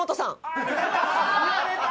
言われた！